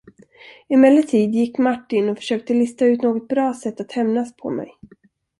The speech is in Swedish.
Emellertid gick Martin och försökte lista ut något bra sätt att hämnas på mig.